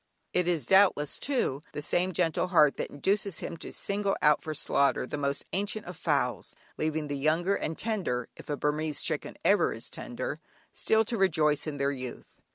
It is, doubtless too, the same gentle heart that induces him to single out for slaughter the most ancient of fowls, leaving the young and tender (if a Burmese chicken ever is tender) still to rejoice in their youth.